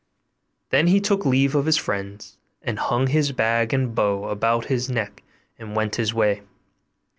Then he took leave of his friends, and hung his bag and bow about his neck, and went his way.